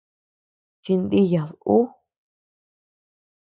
Chindiyad ú.